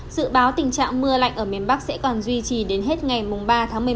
dự báo tình trạng mưa lạnh ở miền bắc sẽ còn duy trì đến hết ngày ba tháng một mươi một